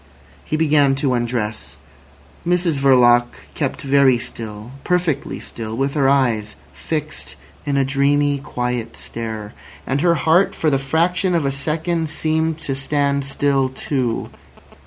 He began to undress. Mrs Verloc kept very still, perfectly still, with her eyes fixed in a dreamy, quiet stare. And her heart for the fraction of a second seemed to stand still too.